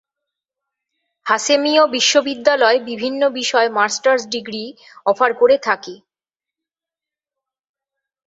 হাশেমীয় বিশ্ববিদ্যালয়য় বিভিন্ন বিষয়ে মাস্টার্স ডিগ্রী অফার করে থাকে।